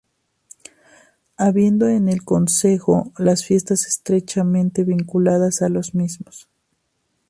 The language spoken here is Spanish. Habiendo en el concejo las fiestas estrechamente vinculadas a los mismos.